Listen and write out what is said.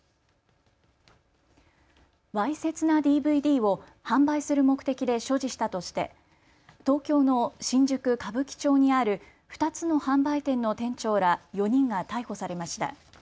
わいせつなＤＶＤを販売する目的で所持したとして東京の新宿歌舞伎町にある２つの販売店の店長ら４人が逮捕されました。